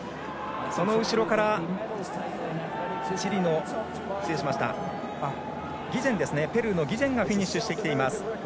その後ろからペルーのギジェンがフィニッシュしています。